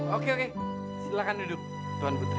oke oke silahkan duduk tuan putri